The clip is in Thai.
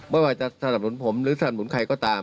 ไม่ว่าจะสนับสนุนผมหรือสนับสนุนใครก็ตาม